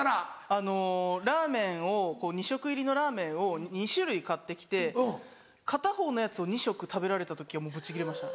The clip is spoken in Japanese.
あのラーメンを２食入りのラーメンを２種類買って来て片方のやつを２食食べられた時はもうブチギレました。